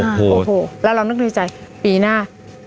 แล้วเราลองนึกในใจปีหน้า